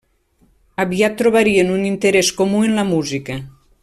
Aviat trobarien un interès comú en la música.